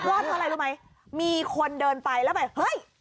รอดเท่าไรรู้ไหมมีคนเดินไปแล้วไปเฮ้ย